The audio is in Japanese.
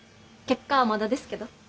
結果はまだですけど。